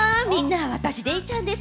私、デイちゃんです。